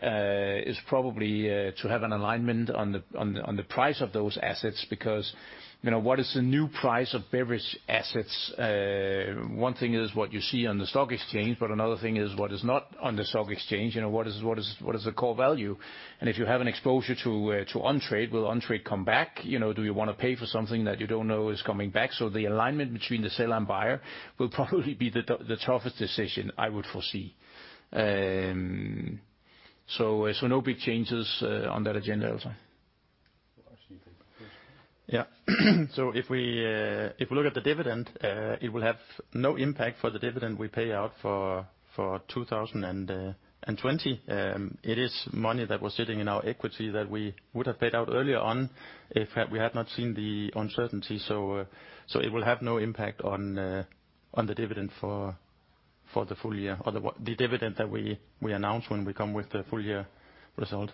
is probably to have an alignment on the price of those assets because what is the new price of beverage assets? One thing is what you see on the stock exchange, but another thing is what is not on the stock exchange. What is the core value? And if you have an exposure to On-Trade, will On-Trade come back? Do you want to pay for something that you don't know is coming back? The alignment between the seller and buyer will probably be the toughest decision, I would foresee. No big changes on that agenda also. What else do you think? Yeah. If we look at the dividend, it will have no impact for the dividend we pay out for 2020. It is money that was sitting in our equity that we would have paid out earlier on if we had not seen the uncertainty. It will have no impact on the dividend for the full year or the dividend that we announce when we come with the full-year result.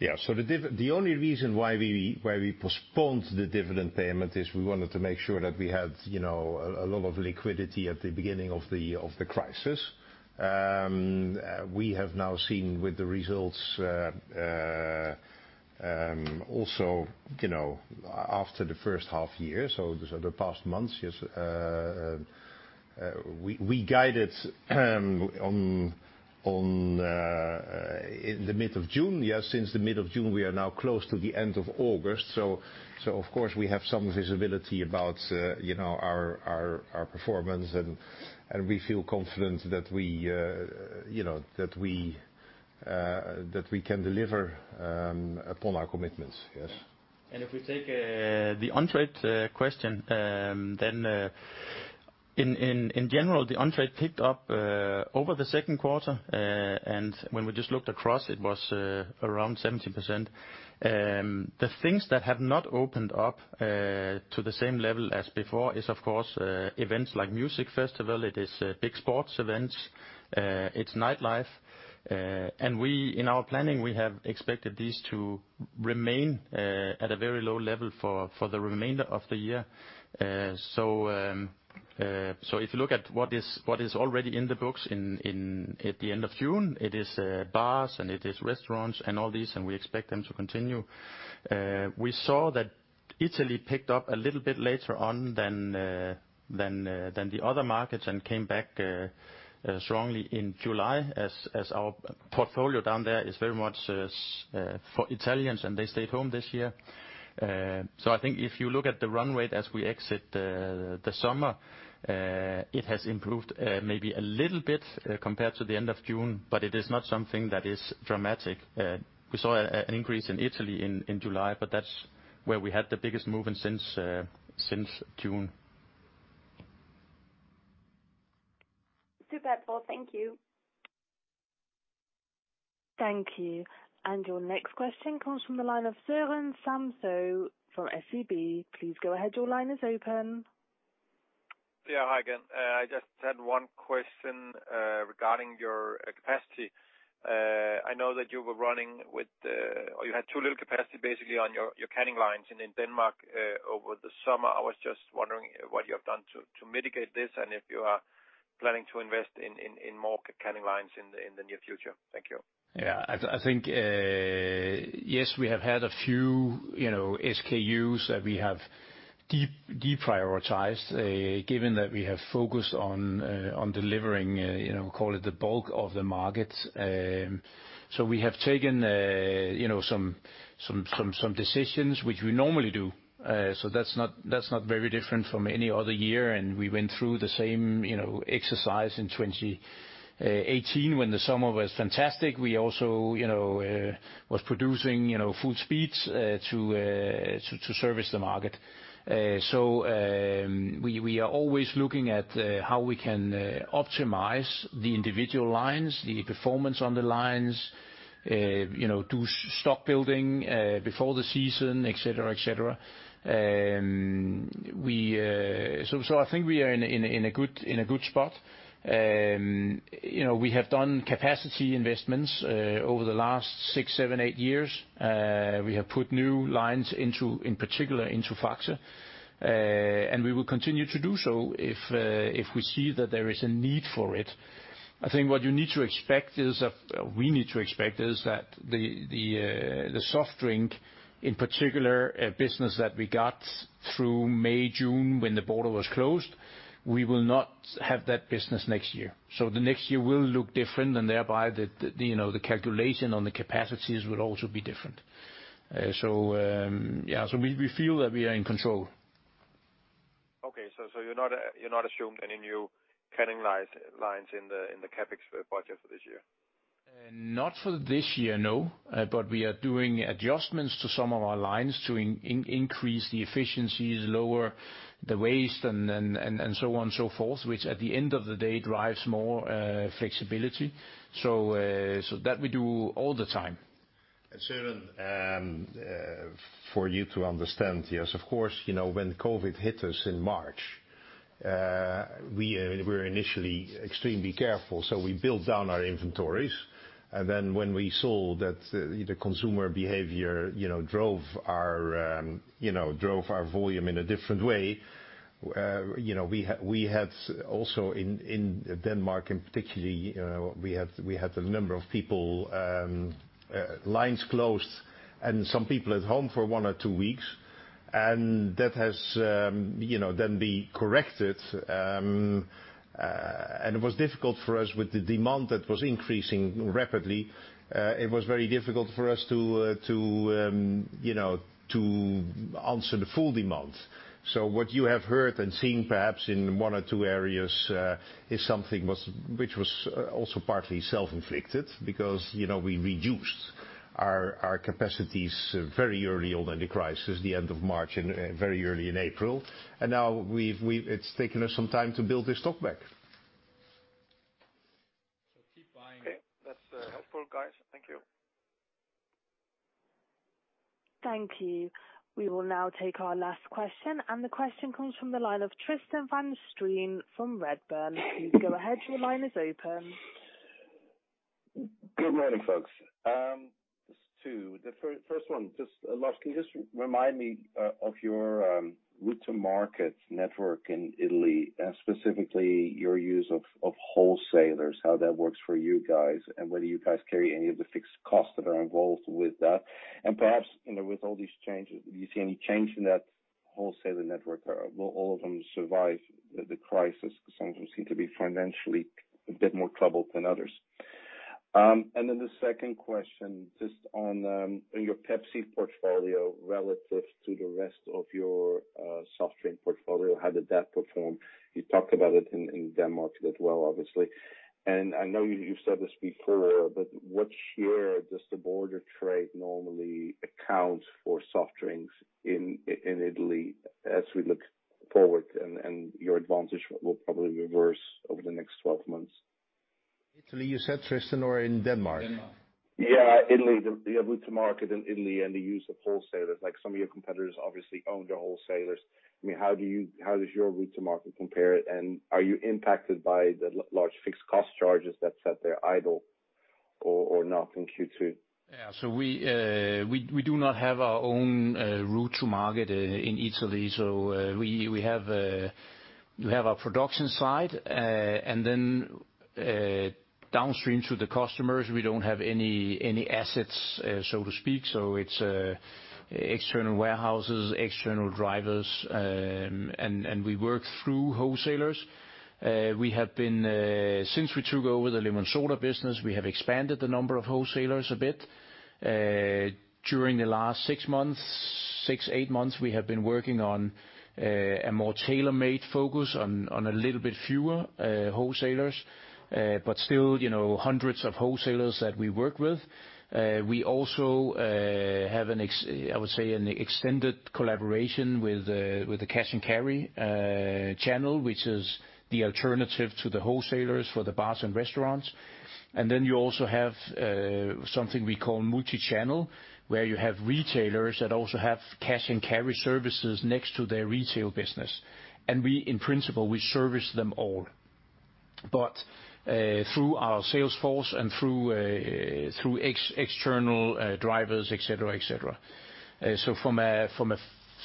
Yeah. The only reason why we postponed the dividend payment is we wanted to make sure that we had a lot of liquidity at the beginning of the crisis. We have now seen with the results also after the first half year, so the past months. We guided in the mid of June. Yes. Since the mid of June, we are now close to the end of August. Of course, we have some visibility about our performance, and we feel confident that we can deliver upon our commitments. Yes. If we take the On-Trade question, then in general, the On-Trade picked up over the second quarter. When we just looked across, it was around 70%. The things that have not opened up to the same level as before is, of course, events like music festivals. It is big sports events. It's nightlife. In our planning, we have expected these to remain at a very low level for the remainder of the year. If you look at what is already in the books at the end of June, it is bars, and it is restaurants and all these, and we expect them to continue. We saw that Italy picked up a little bit later on than the other markets and came back strongly in July as our portfolio down there is very much for Italians, and they stayed home this year. I think if you look at the run rate as we exit the summer, it has improved maybe a little bit compared to the end of June, but it is not something that is dramatic. We saw an increase in Italy in July, but that's where we had the biggest movement since June. Super. Thank you. Thank you. Your next question comes from the line of Søren Samsøe from SEB. Please go ahead. Your line is open. Yeah. Hi again. I just had one question regarding your capacity. I know that you were running with or you had too little capacity basically on your canning lines in Denmark over the summer. I was just wondering what you have done to mitigate this and if you are planning to invest in more canning lines in the near future. Thank you. Yeah. I think, yes, we have had a few SKUs that we have deprioritized given that we have focused on delivering, call it the bulk of the market. We have taken some decisions which we normally do. That is not very different from any other year. We went through the same exercise in 2018 when the summer was fantastic. We also were producing full speeds to service the market. We are always looking at how we can optimize the individual lines, the performance on the lines, do stock building before the season, etc., etc. I think we are in a good spot. We have done capacity investments over the last six, seven, eight years. We have put new lines in particular into Faxe, and we will continue to do so if we see that there is a need for it. I think what you need to expect is that the soft drink, in particular, business that we got through May, June, when the border was closed, we will not have that business next year. The next year will look different, and thereby the calculation on the capacities will also be different. Yeah. We feel that we are in control. Okay. So you're not assuming any new canning lines in the CapEx budget for this year? Not for this year, no. We are doing adjustments to some of our lines to increase the efficiencies, lower the waste, and so on and so forth, which at the end of the day drives more flexibility. That we do all the time. Søren, for you to understand, yes, of course, when COVID hit us in March, we were initially extremely careful. We built down our inventories. When we saw that the consumer behavior drove our volume in a different way, we had also in Denmark, in particular, a number of people lines closed and some people at home for one or two weeks. That has then been corrected. It was difficult for us with the demand that was increasing rapidly. It was very difficult for us to answer the full demand. What you have heard and seen perhaps in one or two areas is something which was also partly self-inflicted because we reduced our capacities very early on in the crisis, the end of March, and very early in April. Now it's taken us some time to build this stock back. Keep buying. That's helpful, guys. Thank you. Thank you. We will now take our last question. The question comes from the line of Tristan van Strien from Redburn. Please go ahead. Your line is open. Good morning, folks. Just two. The first one, just lastly, just remind me of your route-to-market network in Italy and specifically your use of wholesalers, how that works for you guys, and whether you guys carry any of the fixed costs that are involved with that. Perhaps with all these changes, do you see any change in that wholesaler network? Will all of them survive the crisis? Some of them seem to be financially a bit more troubled than others. The second question, just on your Pepsi portfolio relative to the rest of your soft drink portfolio, how did that perform? You talked about it in Denmark as well, obviously. I know you've said this before, but what share does the border trade normally account for soft drinks in Italy as we look forward? Your advantage will probably reverse over the next 12 months. Italy, you said, Tristan, or in Denmark? Yeah. Italy, the route-to-market in Italy and the use of wholesalers. Some of your competitors obviously own the wholesalers. I mean, how does your route-to-market compare? Are you impacted by the large fixed cost charges that sit there idle or not in Q2? Yeah. We do not have our own route-to-market in Italy. We have our production site, and then downstream to the customers, we do not have any assets, so to speak. It is external warehouses, external drivers, and we work through wholesalers. Since we took over the lemon soda business, we have expanded the number of wholesalers a bit. During the last six to eight months, we have been working on a more tailor-made focus on a little bit fewer wholesalers, but still hundreds of wholesalers that we work with. We also have, I would say, an extended collaboration with the cash and carry channel, which is the alternative to the wholesalers for the bars and restaurants. You also have something we call multi-channel where you have retailers that also have cash and carry services next to their retail business. In principle, we service them all, but through our salesforce and through external drivers, etc., etc.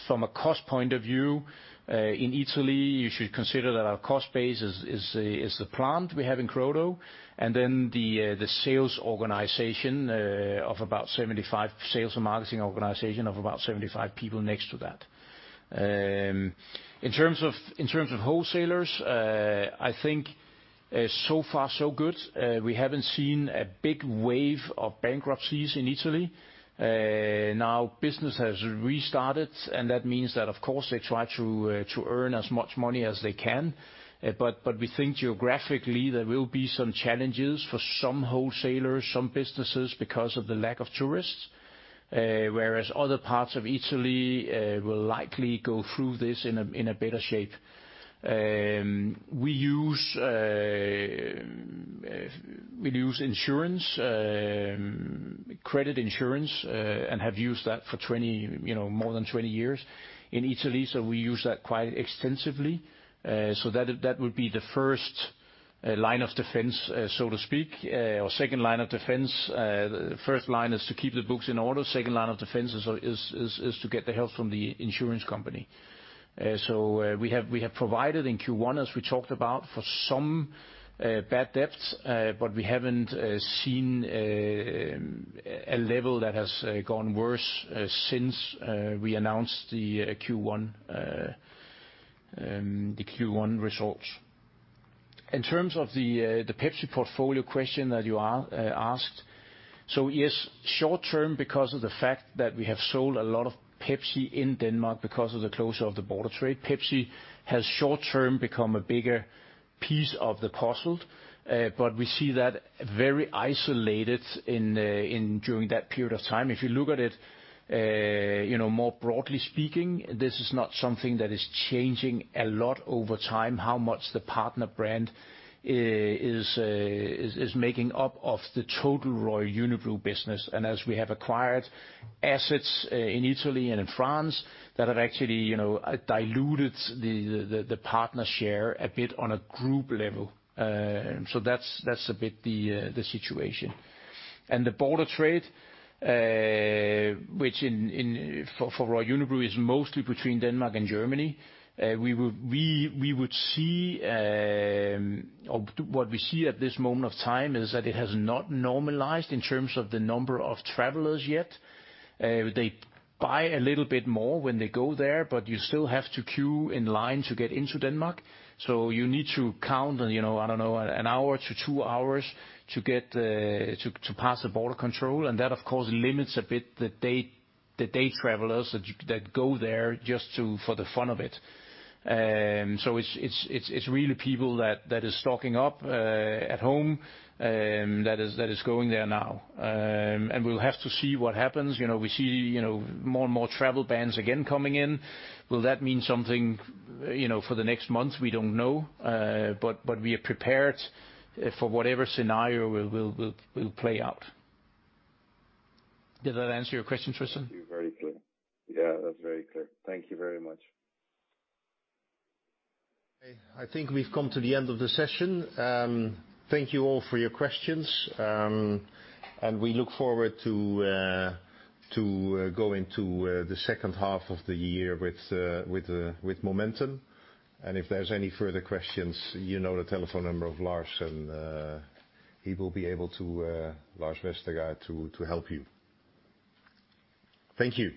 From a cost point of view, in Italy, you should consider that our cost base is the plant we have in Crodo and then the sales organization of about 75 sales and marketing organization of about 75 people next to that. In terms of wholesalers, I think so far, so good. We have not seen a big wave of bankruptcies in Italy. Now business has restarted, and that means that, of course, they try to earn as much money as they can. We think geographically there will be some challenges for some wholesalers, some businesses because of the lack of tourists, whereas other parts of Italy will likely go through this in a better shape. We use insurance, credit insurance, and have used that for more than 20 years in Italy. We use that quite extensively. That would be the first line of defense, so to speak, or second line of defense. The first line is to keep the books in order. Second line of defense is to get the help from the insurance company. We have provided in Q1, as we talked about, for some bad debts, but we have not seen a level that has gone worse since we announced the Q1 results. In terms of the Pepsi portfolio question that you asked, yes, short-term, because of the fact that we have sold a lot of Pepsi in Denmark because of the closure of the border trade, Pepsi has short-term become a bigger piece of the puzzle. We see that very isolated during that period of time. If you look at it more broadly speaking, this is not something that is changing a lot over time, how much the partner brand is making up of the total Royal Unibrew business. As we have acquired assets in Italy and in France that have actually diluted the partner share a bit on a group level. That is a bit the situation. The border trade, which for Royal Unibrew is mostly between Denmark and Germany, we would see or what we see at this moment of time is that it has not normalized in terms of the number of travelers yet. They buy a little bit more when they go there, but you still have to queue in line to get into Denmark. You need to count, I don't know, an hour to two hours to pass the border control. That, of course, limits a bit the day travelers that go there just for the fun of it. It is really people that are stocking up at home that are going there now. We will have to see what happens. We see more and more travel bans again coming in. Will that mean something for the next month? We do not know. We are prepared for whatever scenario will play out. Did that answer your question, Tristan? Thank you. Very clear. Yeah, that's very clear. Thank you very much. I think we've come to the end of the session. Thank you all for your questions. We look forward to going to the second half of the year with momentum. If there's any further questions, you know the telephone number of Lars, and he will be able to, Lars Vestergaard, to help you. Thank you.